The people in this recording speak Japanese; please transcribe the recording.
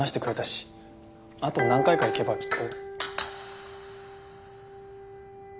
あと何回か行けばきっと。